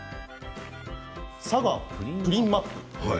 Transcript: さがプリンマップ。